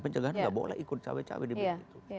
pencegahan nggak boleh ikut cewek cewek di belakang itu